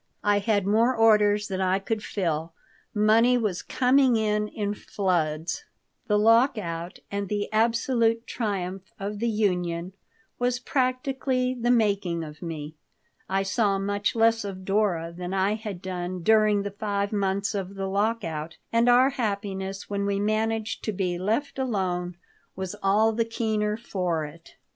I had more orders than I could fill. Money was coming in in floods The lockout and the absolute triumph of the union was practically the making of me I saw much less of Dora than I had done during the five months of the lockout, and our happiness when we managed to be left alone was all the keener for it.